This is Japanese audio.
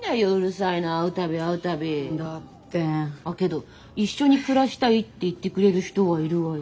あけど一緒に暮らしたいって言ってくれる人はいるわよ。